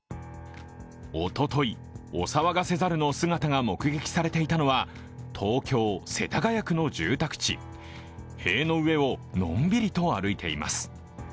おととい、お騒がせ猿の姿が目撃されていたのは東京・世田谷区の住宅地、塀の上をのんびりと歩いています。